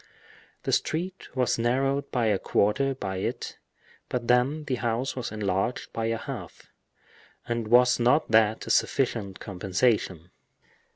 The street was narrowed by a quarter by it, but then the house was enlarged by a half; and was not that a sufficient compensation?